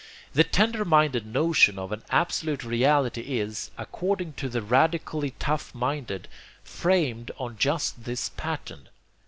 The tender minded notion of an absolute reality is, according to the radically tough minded, framed on just this pattern.